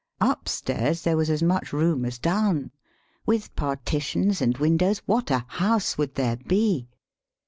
Up stairs there was as much room as down. With partitions and windows, what a house would there be!